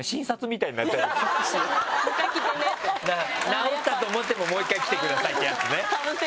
治ったと思ってももう１回来てくださいっていうやつね。